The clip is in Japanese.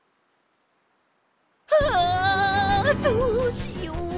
あどうしよう！